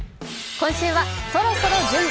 今週はそろそろ準備！